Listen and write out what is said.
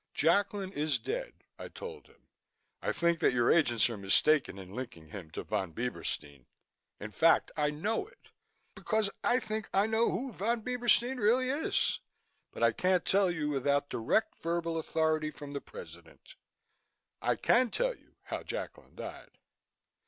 "Jacklin is dead," I told him. "I think that your agents are mistaken in linking him to Von Bieberstein. In fact, I know it, because I think I know who Von Bieberstein really is. But I can't tell you without direct verbal authority from the President. I can tell you how Jacklin died."